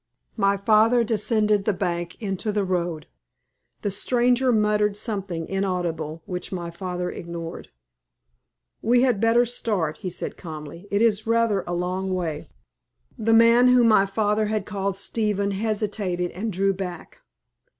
My father descended the bank into the road. The stranger muttered something inaudible, which my father ignored. "We had better start," he said, calmly. "It is rather a long way." The man whom my father had called Stephen hesitated and drew back.